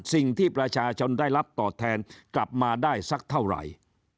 สิ่งที่ประชาชนได้รับตอบแทนกลับมาได้สักเท่าไหร่